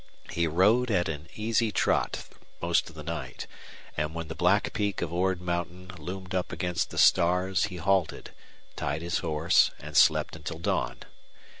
He rode at an easy trot most of the night, and when the black peak of Ord Mountain loomed up against the stars he halted, tied his horse, and slept until dawn.